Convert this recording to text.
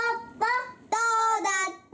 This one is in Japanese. どうだった？